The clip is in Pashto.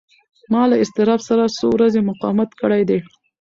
ما له اضطراب سره څو ورځې مقاومت کړی دی.